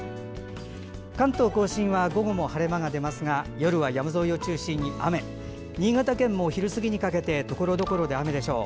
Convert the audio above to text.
関東・甲信は午後も晴れ間が出ますが新潟県も昼過ぎにかけてところどころで雨でしょう。